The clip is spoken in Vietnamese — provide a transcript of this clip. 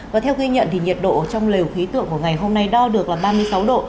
và theo ghi nhận thì nhiệt độ trong lều khí tượng của ngày hôm nay đo được là ba mươi sáu độ